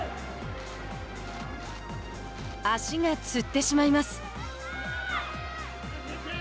足がつってしまいます。